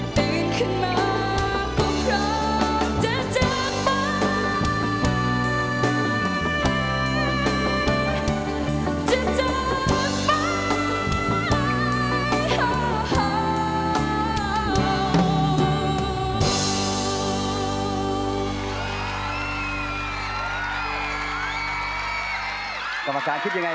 ตื่นขึ้นมาก็พร้อมจะจากไป